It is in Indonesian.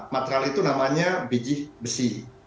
material itu namanya biji besi